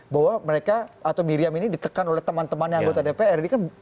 bahwa mereka atau miriam ini ditekan oleh teman temannya anggota dpr